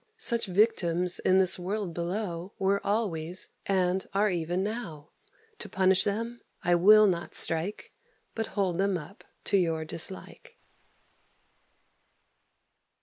Such victims in this world below Were always, and are even now: To punish them I will not strike, But hold them up to your dislike.